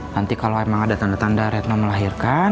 nanti kalau memang ada tanda tanda retno melahirkan